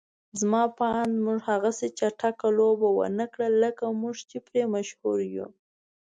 زما په اند موږ هغسې چټکه لوبه ونکړه لکه موږ چې پرې مشهور يو.